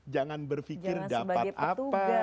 jangan berfikir dapat apa